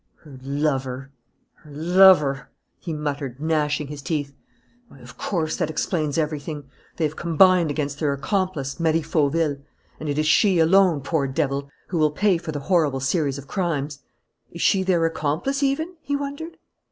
"Her lover! Her lover!" he muttered, gnashing his teeth. "Why, of course, that explains everything! They have combined against their accomplice, Marie Fauville; and it is she alone, poor devil, who will pay for the horrible series of crimes!" "Is she their accomplice even?" he wondered.